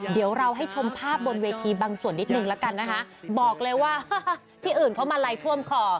เดี๋ยวเราให้ชมภาพบนเวทีบางส่วนนิดนึงละกันนะคะบอกเลยว่าที่อื่นเขามาลัยท่วมคอ